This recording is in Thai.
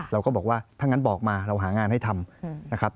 เราก็บอกว่าถ้างั้นบอกมาเราหางานให้ทำนะครับ